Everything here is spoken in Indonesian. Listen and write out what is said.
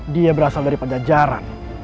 dia berasal daripada jajaran